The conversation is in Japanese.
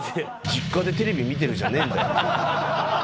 実家でテレビ見てるんじゃないんだよ。